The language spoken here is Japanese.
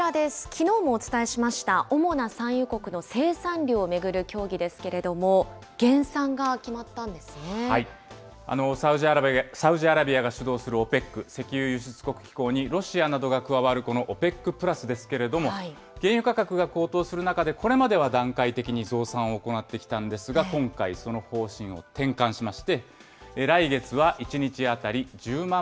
きのうもお伝えしました主な産油国の生産量を巡る協議ですけれどサウジアラビアが主導するＯＰＥＣ・石油輸出国機構にロシアなどが加わるこのＯＰＥＣプラスですけれども、原油価格が高騰する中で、これまでは段階的に増産を行ってきたんですが、今回、その方針を転換しまして、来月は１日当たり１０万